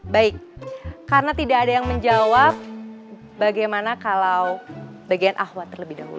baik karena tidak ada yang menjawab bagaimana kalau bagian ahmad terlebih dahulu